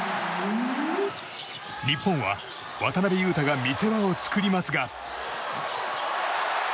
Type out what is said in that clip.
日本は渡邊雄太が見せ場を作りますが。